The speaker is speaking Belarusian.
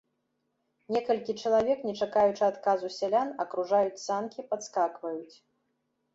Некалькі чалавек, не чакаючы адказу сялян, акружаюць санкі, падскакваюць.